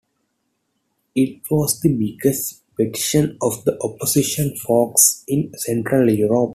It was the biggest petition of the opposition forces in central Europe.